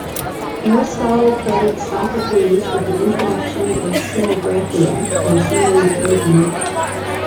Aristotle credits Sophocles with the introduction of "skenographia", or scenery-painting.